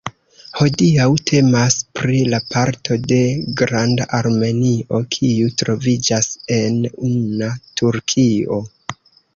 Hodiaŭ temas pri la parto de Granda Armenio kiu troviĝas en una Turkio.